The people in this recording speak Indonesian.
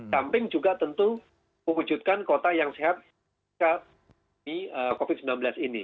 samping juga tentu mewujudkan kota yang sehat di covid sembilan belas ini